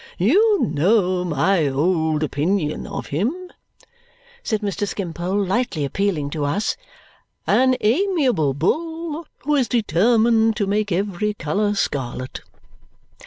"You know my old opinion of him," said Mr. Skimpole, lightly appealing to us. "An amiable bull who is determined to make every colour scarlet!"